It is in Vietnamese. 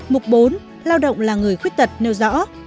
mục bốn lao động là người khuyết tật nêu rõ